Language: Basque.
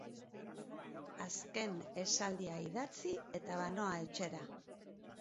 Azken esaldia idatzi eta banoa etxera.